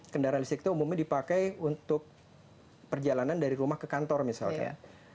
kendaraan listrik itu umumnya dipakai untuk perjalanan menyanpurkan baterai dari rumah ke kantor